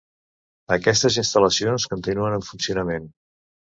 Aquestes instal·lacions continuen en funcionament.